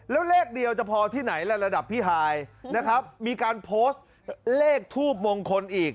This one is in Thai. แล้วเลขเดียวจะพอที่ไหนล่ะระดับพี่ฮายนะครับมีการโพสต์เลขทูบมงคลอีก